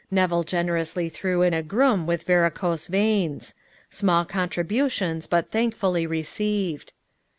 Nevill generously threw in a groom with varicose veins. Small contributions, but thankfully received.